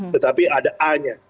tetapi ada a nya